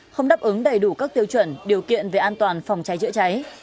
không đáp ứng đầy đủ các tiêu chuẩn điều kiện về an toàn phòng cháy chữa cháy